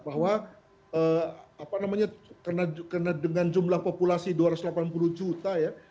bahwa karena dengan jumlah populasi dua ratus delapan puluh juta ya